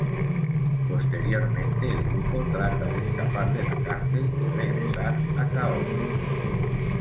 Posteriormente el grupo trata de escapar de la cárcel y regresar a Quahog.